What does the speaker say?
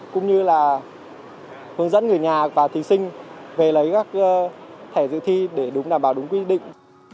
cũng như là hướng dẫn người nhà và thí sinh về lấy các thẻ dự thi để đúng đảm bảo đúng quy định